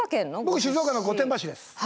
僕静岡の御殿場市です。